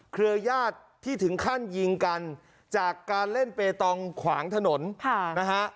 เครือญาติที่ถึงขั้นยิงกันจากการเล่นเปตองขวางถนนนะฮะ